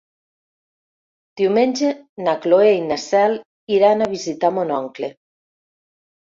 Diumenge na Cloè i na Cel iran a visitar mon oncle.